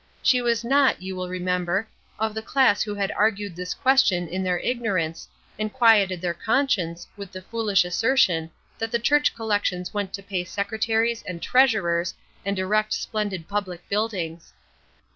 She was not, you will remember, of the class who had argued this question in their ignorance, and quieted their consciences with the foolish assertion that the church collections went to pay secretaries and treasurers and erect splendid public buildings.